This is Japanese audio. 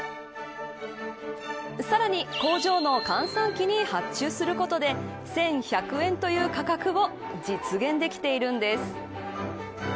さらに、工場の閑散期に発注することで１１００円という価格を実現できているんです。